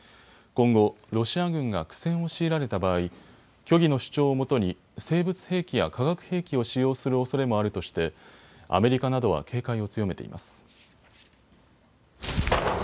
今後、ロシア軍が苦戦を強いられた場合、虚偽の主張をもとに生物兵器や化学兵器を使用するおそれもあるとしてアメリカなどは警戒を強めています。